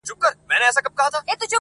موږ ته یې کیسه په زمزمو کي رسېدلې ده-